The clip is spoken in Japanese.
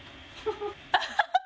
ハハハハ！